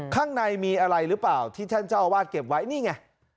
ข้างในมีอะไรรึเปล่าที่เจ้าอวาดเก็บไว้นี่ไง